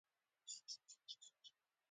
د مینې فلسفه